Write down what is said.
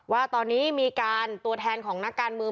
ว่าตอนนี้ตัวแทนของนักการมือ